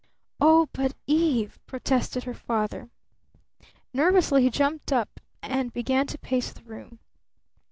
"Oh, but Eve!" protested her father. Nervously he jumped up and began to pace the room.